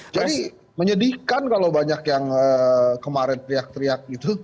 jadi saya tidak akan dididikan kalau banyak yang kemarin teriak teriak gitu